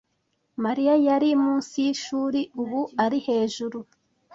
Mariya yari munsi yishuri. Ubu ari hejuru.